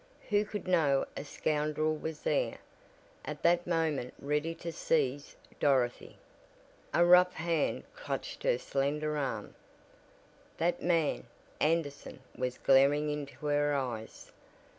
Who could know a scoundrel was there, at that moment ready to seize Dorothy? A rough hand clutched her slender arm! That man Anderson was glaring into her eyes!